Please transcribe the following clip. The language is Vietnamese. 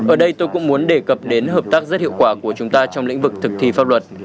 ở đây tôi cũng muốn đề cập đến hợp tác rất hiệu quả của chúng ta trong lĩnh vực thực thi pháp luật